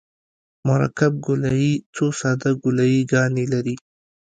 مرکب ګولایي څو ساده ګولایي ګانې لري